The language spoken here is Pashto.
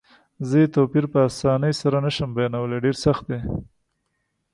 زه یې توپیر په اسانۍ سره نه شم بیانولای، ډېر سخت دی.